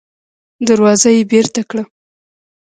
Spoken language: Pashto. دروازه يې بېرته کړه.